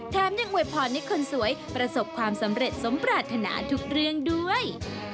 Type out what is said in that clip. แถมยังอวยพรให้คนสวยประสบความสำเร็จสมปรารถนาทุกเรื่องด้วย